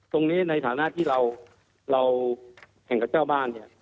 ในฐานะที่เราแข่งกับเจ้าบ้านเนี่ย